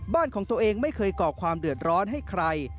บ้านของตัวเองไม่เคยก่อความเดือดร้อนให้ใคร